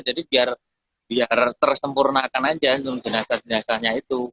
jadi biar tersempurnakan aja jenazah jenazahnya itu